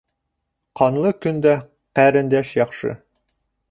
Ҡанлы көндә ҡәрендәш яҡшы